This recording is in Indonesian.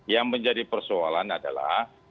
yang menjadi persoalan adalah